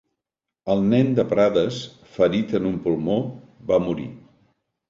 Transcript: El Nen de Prades, ferit en un pulmó, va morir.